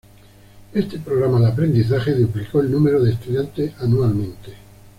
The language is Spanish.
Este programa de aprendizaje duplicó el número de estudiantes anualmente.